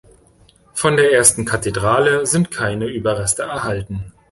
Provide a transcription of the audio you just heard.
Von der ersten Kathedrale sind keine Überreste erhalten.